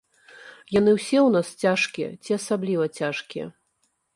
Яны ўсе ў нас цяжкія ці асабліва цяжкія.